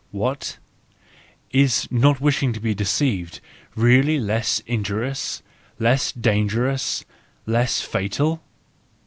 What ? is not wishing to be deceived really less injurious, less dangerous, less fatal